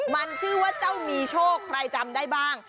มันชื่อว่าเจ้ามีโชคใครจำได้บ้าง